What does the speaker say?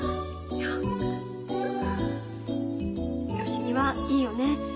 芳美はいいよね。